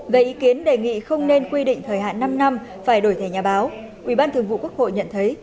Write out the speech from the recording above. về ý kiến đề nghị không nên quy định thời hạn năm năm phải đổi thẻ nhà báo ủy ban thường vụ quốc hội nhận thấy